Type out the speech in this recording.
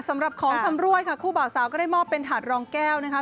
สำหรับของชำรวยค่ะคู่บ่าวสาวก็ได้มอบเป็นถาดรองแก้วนะคะ